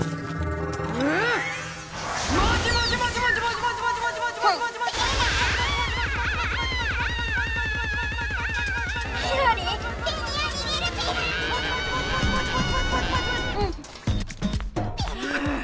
うん。